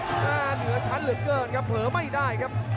เหนือชั้นเหลือเกินครับเผลอไม่ได้ครับ